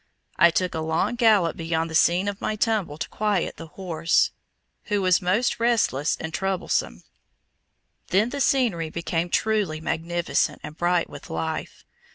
I took a long gallop beyond the scene of my tumble to quiet the horse, who was most restless and troublesome. Then the scenery became truly magnificent and bright with life.